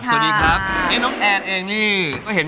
พร้อมแล้วครับวงรอบหาชน